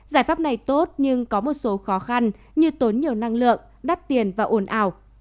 giải pháp này tốt nhưng có một số khó khăn như tốn nhiều năng lượng đắt tiền và ồn ào